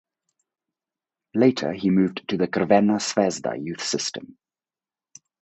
Later he moved to the Crvena zvezda youth system.